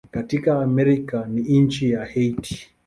Katika Amerika ni nchi ya Haiti.